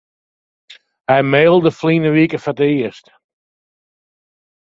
Hy mailde ferline wike foar it earst.